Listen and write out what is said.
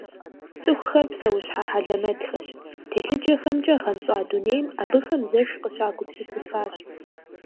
Цӏыхухэр псэущхьэ хьэлэмэтхэщ - телъыджэхэмкӏэ гъэнщӏа дунейм абыхэм зэш къыщагупсысыфащ.